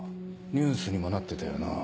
ニュースにもなってたよな。